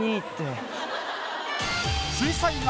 水彩画